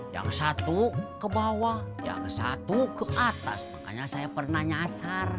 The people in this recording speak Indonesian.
yang satu ke bawah yang satu ke atas makanya saya pernah nyasar